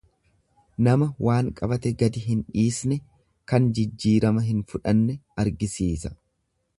Nama waan qabate gad hin dhiisne kan jijjiirama hin fudhanne argisiisa.